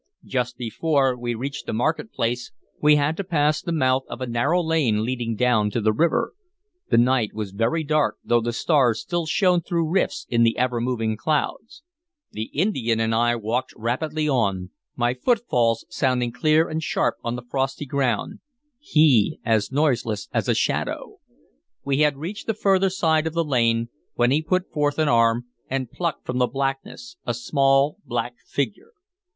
Just before we reached the market place we had to pass the mouth of a narrow lane leading down to the river. The night was very dark, though the stars still shone through rifts in the ever moving clouds. The Indian and I walked rapidly on, my footfalls sounding clear and sharp on the frosty ground, he as noiseless as a shadow. We had reached the further side of the lane, when he put forth an arm and plucked from the blackness a small black figure.